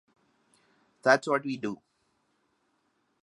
That's what we do.